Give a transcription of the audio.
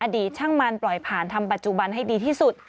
ช่างมันปล่อยผ่านทำปัจจุบันให้ดีที่สุด